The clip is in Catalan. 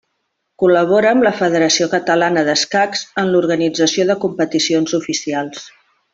Col·labora amb la Federació Catalana d'Escacs en l'organització de competicions oficials.